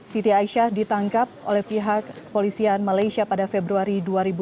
siti aisyah ditangkap oleh pihak polisian malaysia pada februari dua ribu dua puluh